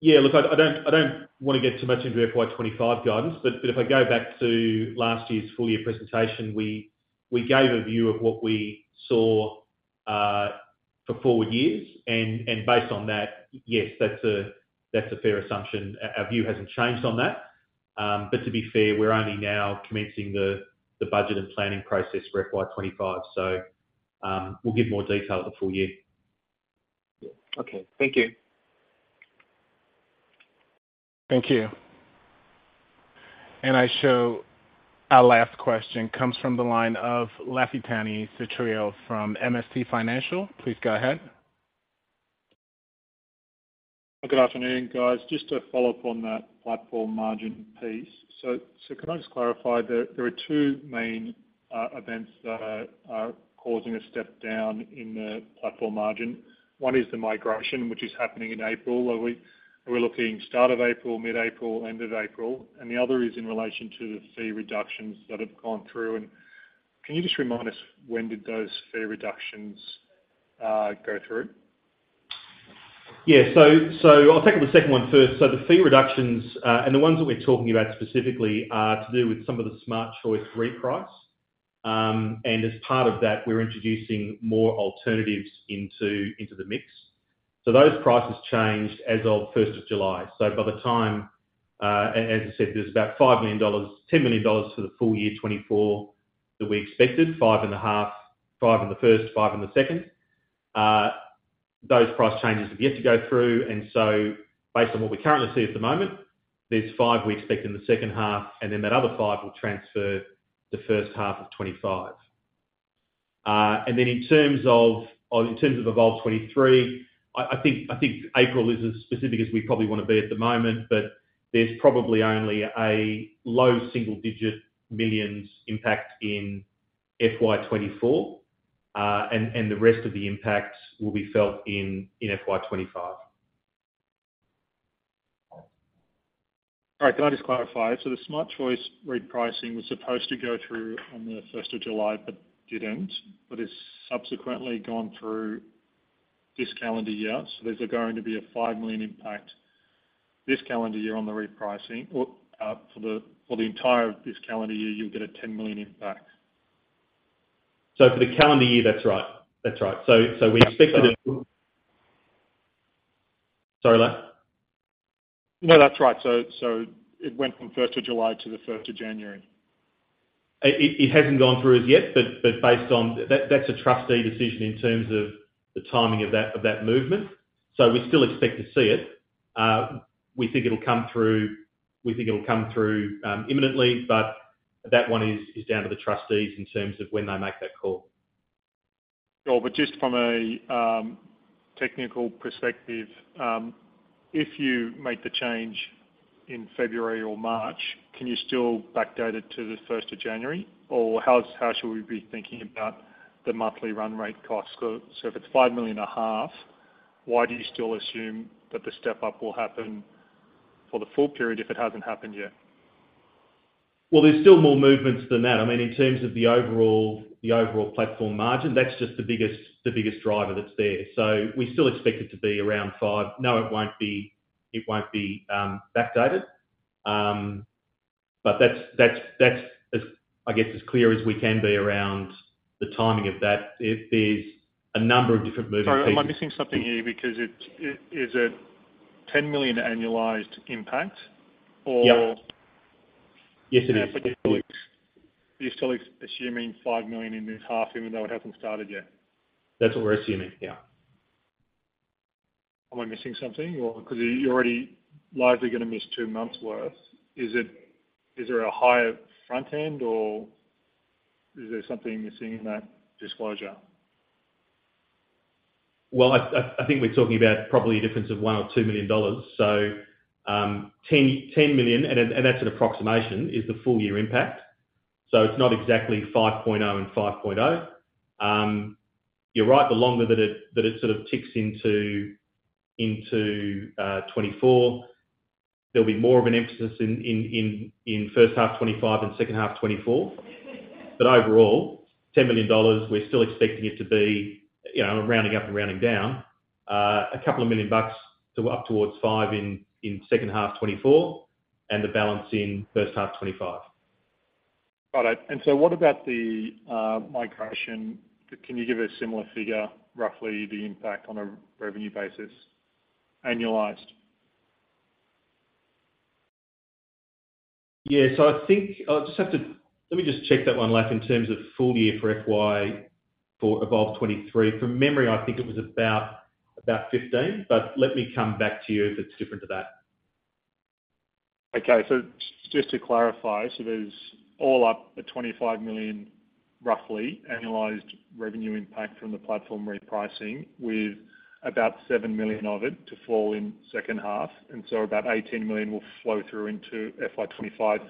Yeah. Look, I don't want to get too much into FY 2025 guidance. But if I go back to last year's full year presentation, we gave a view of what we saw for forward years. Based on that, yes, that's a fair assumption. Our view hasn't changed on that. But to be fair, we're only now commencing the budget and planning process for FY 2025. So we'll give more detail at the full year. Okay. Thank you. Thank you. And I'm sure our last question comes from the line of Lafitani Sotiriou from MST Financial. Please go ahead. Good afternoon, guys. Just to follow up on that platform margin piece. So can I just clarify? There are two main events that are causing a step down in the platform margin. One is the migration, which is happening in April. Are we looking start of April, mid-April, end of April? And the other is in relation to the fee reductions that have gone through. And can you just remind us when did those fee reductions go through? Yeah. So I'll take up the second one first. So the fee reductions and the ones that we're talking about specifically are to do with some of the Smart Choice reprice. And as part of that, we're introducing more alternatives into the mix. So those prices changed as of 1st of July. So by the time, as I said, there's about 5 million-10 million dollars for the full year 2024 that we expected, 5.5, 5 million in the first, 5 million in the second. Those price changes have yet to go through. And so based on what we currently see at the moment, there's 5 million we expect in the second half. And then that other 5 will transfer to first half of 2025. And then in terms of Evolve '23, I think April is as specific as we probably want to be at the moment. But there's probably only a low single-digit millions AUD impact in FY 2024. And the rest of the impact will be felt in FY 2025. All right. Can I just clarify? So the Smart Choice repricing was supposed to go through on the 1st of July but didn't but has subsequently gone through this calendar year. So there's going to be an 5 million impact this calendar year on the repricing. For the entire this calendar year, you'll get an 10 million impact. So for the calendar year, that's right. That's right. So we expected it sorry, Laf? No, that's right. So it went from 1st of July to the 1st of January. It hasn't gone through as yet. But based on that, it's a trustee decision in terms of the timing of that movement. So we still expect to see it. We think it'll come through we think it'll come through imminently. But that one is down to the trustees in terms of when they make that call. Oh, but just from a technical perspective, if you make the change in February or March, can you still backdate it to the 1st of January? Or how should we be thinking about the monthly run rate cost? So if it's 5.5 million, why do you still assume that the step-up will happen for the full period if it hasn't happened yet? Well, there's still more movements than that. I mean, in terms of the overall platform margin, that's just the biggest driver that's there. So we still expect it to be around 5. No, it won't be backdated. But that's, I guess, as clear as we can be around the timing of that. There's a number of different moving pieces. Sorry, am I missing something here because it is a 10 million annualized impact or? Yes, it is. Are you still assuming 5 million in this half even though it hasn't started yet? That's what we're assuming. Yeah. Am I missing something or? Because you're already largely going to miss two months' worth. Is there a higher front end or is there something missing in that disclosure? Well, I think we're talking about probably a difference of 1 million or 2 million dollars. So 10 million, and that's an approximation, is the full year impact. So it's not exactly 5.0 and 5.0. You're right. The longer that it sort of ticks into 2024, there'll be more of an emphasis in first half 2025 and second half 2024. But overall, 10 million dollars, we're still expecting it to be rounding up and rounding down, 2 million bucks up towards 5 million in second half 2024 and the balance in first half 2025. Got it. And so what about the migration? Can you give a similar figure, roughly, the impact on a revenue basis annualised? Yeah. So I think I'll just have to let me just check that one, Lafitani, in terms of full year for Evolve 2023. From memory, I think it was about 15 million. But let me come back to you if it's different to that. Okay. So just to clarify, so there's all up a 25 million, roughly, annualized revenue impact from the platform repricing with about 7 million of it to fall in second half. And so about 18 million will flow through into FY 2025,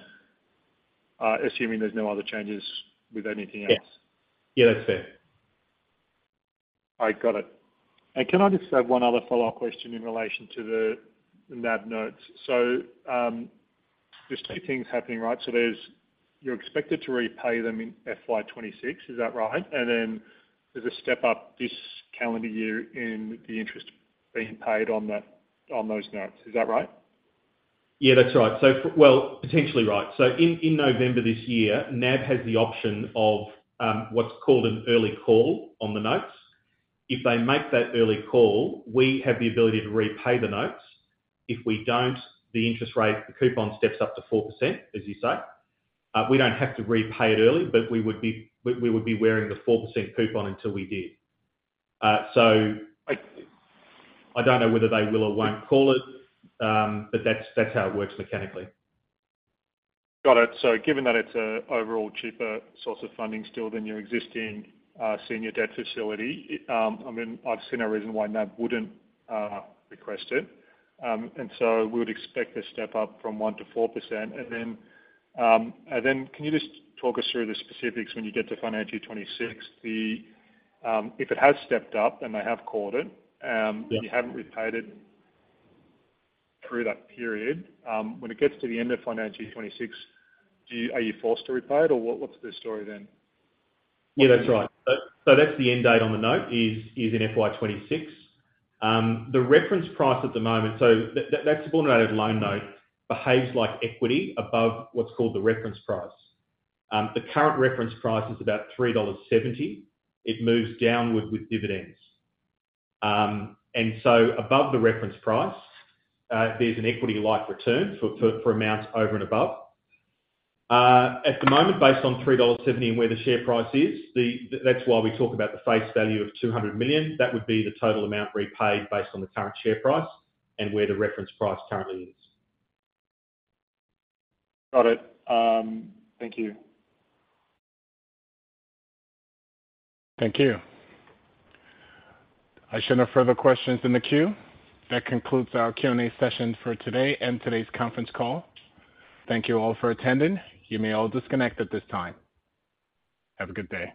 assuming there's no other changes with anything else. Yeah. Yeah, that's fair. All right. Got it. And can I just have one other follow-up question in relation to the NAB notes? So there's two things happening, right? So you're expected to repay them in FY 2026. Is that right? And then there's a step-up this calendar year in the interest being paid on those notes. Is that right? Yeah, that's right. Well, potentially right. So in November this year, NAB has the option of what's called an early call on the notes. If they make that early call, we have the ability to repay the notes. If we don't, the interest rate, the coupon steps up to 4%, as you say. We don't have to repay it early. But we would be wearing the 4% coupon until we did. So I don't know whether they will or won't call it. But that's how it works mechanically. Got it. So given that it's an overall cheaper source of funding still than your existing senior debt facility, I mean, I've seen a reason why NAB wouldn't request it. And so we would expect a step-up from 1% to 4%. And then can you just talk us through the specifics when you get to financial year 2026? If it has stepped up and they have called it and you haven't repaid it through that period, when it gets to the end of financial year 2026, are you forced to repay it? Or what's the story then? Yeah, that's right. So that's the end date on the note is in FY 2026. The reference price at the moment so that subordinated loan note behaves like equity above what's called the reference price. The current reference price is about 3.70 dollars. It moves downward with dividends. And so above the reference price, there's an equity-like return for amounts over and above. At the moment, based on 3.70 dollars and where the share price is, that's why we talk about the face value of 200 million. That would be the total amount repaid based on the current share price and where the reference price currently is. Got it. Thank you. Thank you. I see no further questions in the queue. That concludes our Q&A session for today and today's conference call. Thank you all for attending. You may all disconnect at this time. Have a good day.